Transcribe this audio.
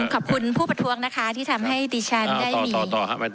ขอบคุณผู้ประท้วงนะคะที่ทำให้ดิฉันได้มีต่อครับ